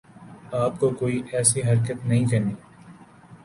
آپ کو کوئی ایسی حرکت نہیں کرنی